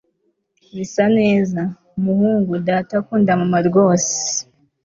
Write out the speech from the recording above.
bisa neza. muhungu! data akunda mama rwose